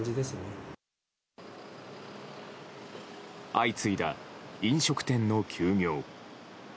相次いだ飲食店の休業。